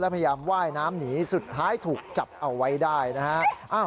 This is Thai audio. พยายามว่ายน้ำหนีสุดท้ายถูกจับเอาไว้ได้นะฮะ